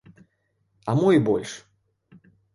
А мо і больш.